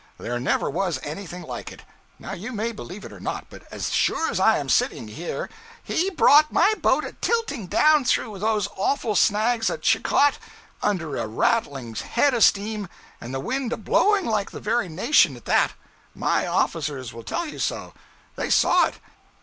There never was anything like it. Now you may believe it or not, but as sure as I am sitting here, he brought my boat a tilting down through those awful snags at Chicot under a rattling head of steam, and the wind a blowing like the very nation, at that! My officers will tell you so. They saw it.